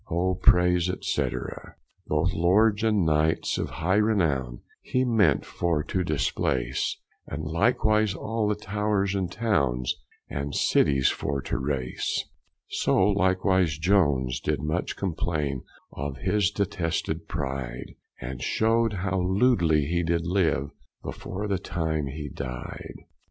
O praise, &c. Both lords and knights of hye renowne He ment for to displace, And likewise all the towers and townes And cities for to race; So likewise Jones did much complaine Of his detested pride, And shewed how lewdly he did live Before the time he died.